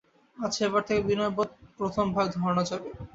আচ্ছা, এবার থেকে বিনয়বোধ প্রথম ভাগ ধরানো যাবে।